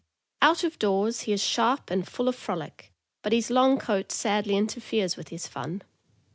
Out of doors he is sharp and full of frolic, but his long coat sadly interferes with his fun.